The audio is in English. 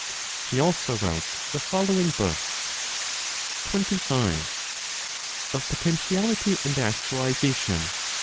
He also wrote the following books: 25. Of Potentiality and Actualization.